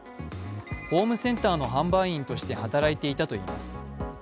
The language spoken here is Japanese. ホームセンターの販売員として働いていたといいます。